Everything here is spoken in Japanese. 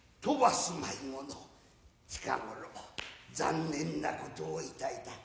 近頃残念なことをいたいた。